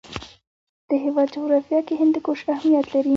د هېواد جغرافیه کې هندوکش اهمیت لري.